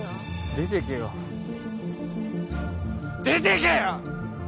出てけよ出てけよ！